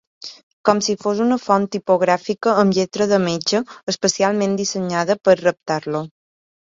Com si fos una font tipogràfica amb lletra de metge especialment dissenyada per reptar-lo.